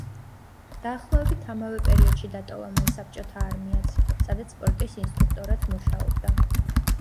დაახლოებით ამავე პერიოდში დატოვა მან საბჭოთა არმიაც, სადაც სპორტის ინსტრუქტორად მუშაობდა.